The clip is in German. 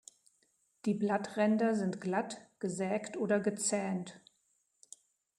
Die Blattränder sind glatt, gesägt oder gezähnt.